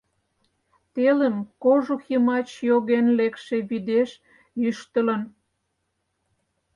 Телым кожух йымач йоген лекше вӱдеш йӱштылын.